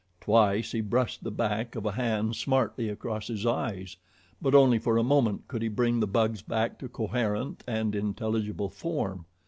Twice he brushed the back of a hand smartly across his eyes; but only for a moment could he bring the bugs back to coherent and intelligible form.